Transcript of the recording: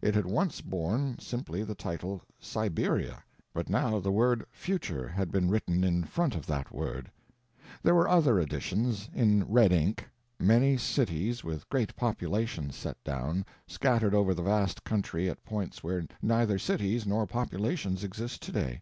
It had once borne simply the title SIBERIA; but now the word "FUTURE" had been written in front of that word. There were other additions, in red ink—many cities, with great populations set down, scattered over the vast country at points where neither cities nor populations exist to day.